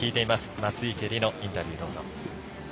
松生理乃、インタビュー、どうぞ。